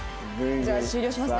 じゃあ終了しますね。